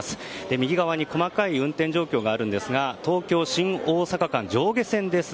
右側に細かい運転状況があるんですが東京新大阪間、上下線です。